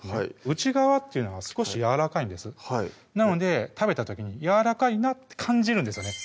内側っていうのは少しやわらかいんですなので食べた時に柔らかいなって感じるんですよね